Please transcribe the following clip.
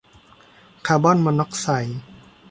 คาร์บอนมอนอกไซด์